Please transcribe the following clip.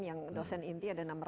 yang dosen inti ada enam ratus an